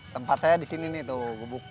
tempat saya di sini nih tuh gubuk